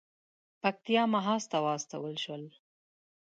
پکتیا محاذ ته واستول شول.